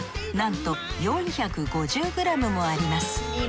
なんと４５０ｇもあります。